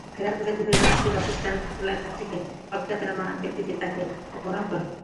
ফেরার পথে দুপুরে কাঁচপুর বাসস্ট্যান্ড এলাকা থেকে অজ্ঞাতনামা ব্যক্তিরা তাঁকে অপহরণ করে।